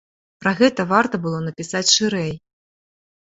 Пра гэта варта было напісаць шырэй.